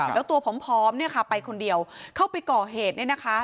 แล้วตัวพร้อมเนี่ยค่ะไปคนเดียวเข้าไปก่อเหตุเนี่ยนะคะ